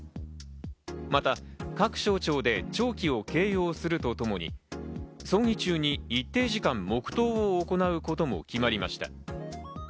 また各省庁で弔旗を掲揚するとともに、葬儀中に一定時間、黙とうを行うことも決まりました。